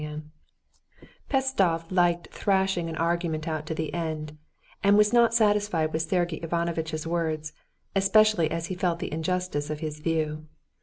Chapter 10 Pestsov liked thrashing an argument out to the end, and was not satisfied with Sergey Ivanovitch's words, especially as he felt the injustice of his view.